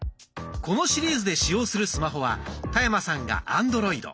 このシリーズで使用するスマホは田山さんがアンドロイド。